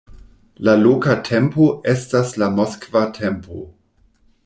La loka tempo estas la moskva tempo.